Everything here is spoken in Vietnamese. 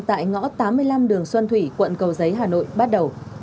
tại ngõ tám mươi năm đường xuân thủy quận cầu giấy hà nội bắt đầu